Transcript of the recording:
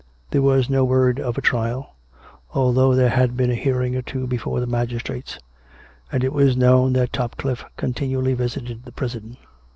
There was no word of a trial; although there had been a hearing or two before the magistrates; and it was known that Topcliffe continually visited the prison.